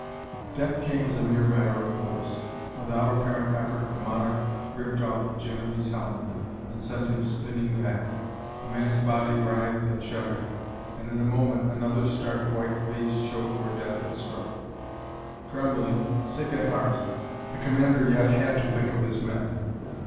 Death came as a mere matter of course. Without apparent effort, the monarch ripped off Jennerby's helmet and sent him spinning back. The man's body writhed and shuddered, and in a moment another stark white face showed where death had struck.... Trembling, sick at heart, the commander yet had to think of his men.